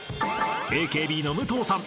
［ＡＫＢの武藤さん